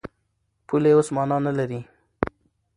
پولې اوس مانا نه لري.